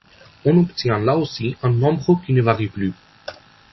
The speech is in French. On obtient là aussi un nombre qui ne varie plus.